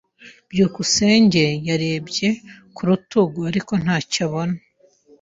byukusenge yarebye ku rutugu, ariko ntacyo abona.